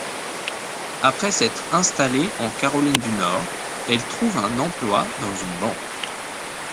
Après s'être installée en Caroline du Nord, elle trouve un emploi dans une banque.